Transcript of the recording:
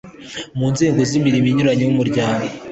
mu nzego z imirimo inyuranye y umuryango